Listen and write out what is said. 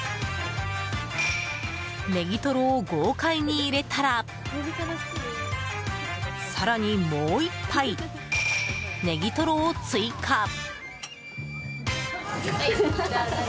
ネギトロを豪快に入れたら更に、もう１杯ネギトロを追加。